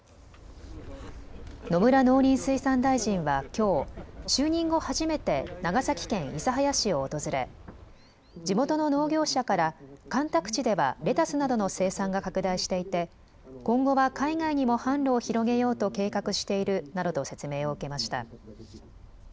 野村農林水産大臣はきょう就任後、初めて長崎県諫早市を訪れ地元の農業者から干拓地ではレタスなどの生産が拡大していて今後は海外にも販路を広げようと計画しているなどと説明を受けました。